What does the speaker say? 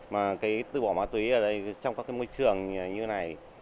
mà tự bỏ ma túy trong môi trường như thế này